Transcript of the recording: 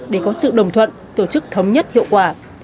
để có sự đồng thuận tổ chức thống nhất hiệu quả